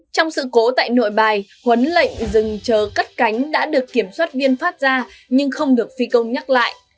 trong sự cố tại nội bài huấn lệnh dừng chờ cất cánh đã được kiểm soát viên phát ra nhưng không được phi công nhắc lại